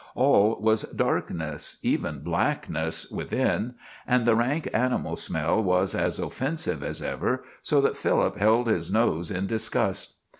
All was darkness, even blackness, within, and the rank animal smell was as offensive as ever, so that Philip held his nose in disgust.